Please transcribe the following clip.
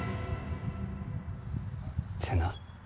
瀬名。